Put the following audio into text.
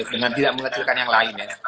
dengan tidak mengecilkan yang lain